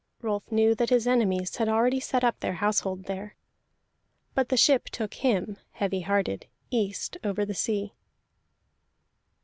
Rolf knew that his enemies had already set up their household there; but the ship took him, heavy hearted, east over the sea.